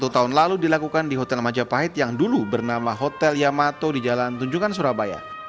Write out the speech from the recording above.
satu tahun lalu dilakukan di hotel majapahit yang dulu bernama hotel yamato di jalan tunjungan surabaya